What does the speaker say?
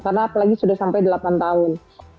karena apalagi sudah sampai delapan tahun